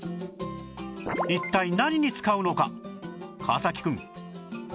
一体何に使うのか？